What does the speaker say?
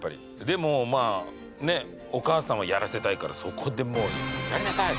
でもまあねお母さんはやらせたいからそこでもう「やりなさい！」